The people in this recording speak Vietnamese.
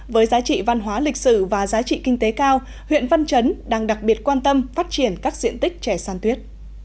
với giá trị văn hóa lịch sử và giá trị kinh tế cao huyện văn chấn đang đặc biệt quan tâm phát triển các diện tích chè san tuyết